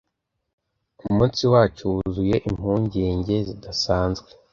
umunsi wacu wuzuye impungenge zidasanzwe